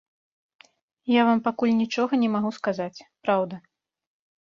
Я вам пакуль нічога не магу сказаць, праўда.